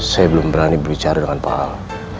saya belum berani berbicara dengan pak ahok